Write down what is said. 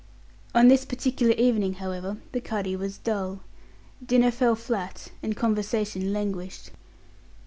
On this particular evening, however, the cuddy was dull. Dinner fell flat, and conversation languished.